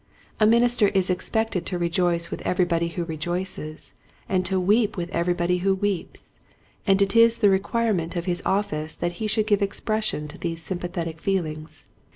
A minister is expected to rejoice with every body who rejoices and to weep with every body who weeps, and it is the requirement of his office that he should give expression to these sympathetic feelings.